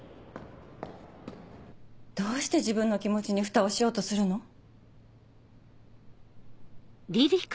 どうして自分の気持ちにふたをしようとするの？